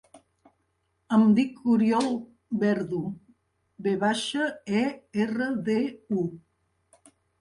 Em dic Oriol Verdu: ve baixa, e, erra, de, u.